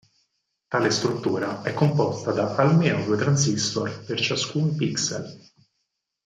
Tale struttura è composta da almeno due transistor per ciascun pixel.